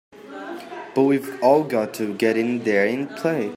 But we've all got to get in there and play!